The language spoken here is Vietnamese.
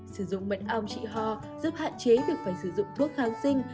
sử dụng mật ong trị ho giúp hạn chế việc phải sử dụng thuốc kháng sinh